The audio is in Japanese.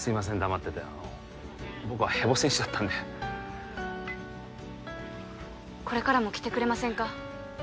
黙っててあの僕はヘボ選手だったんでこれからも来てくれませんか？